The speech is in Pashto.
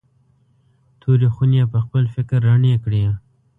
تورې خونې یې پخپل فکر رڼې کړې.